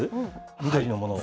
緑のものを。